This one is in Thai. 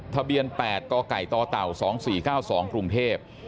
ทะเบียน๘กกตเต่า๒๔๙๒กรุงเทพ